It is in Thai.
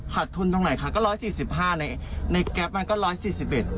ขาดทุนตรงไหนค่ะก็๑๔๕บาทในแก๊ปมั่นก็๑๔๑บาท